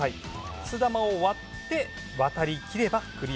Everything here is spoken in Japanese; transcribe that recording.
くす玉を割って渡りきればクリアとなります。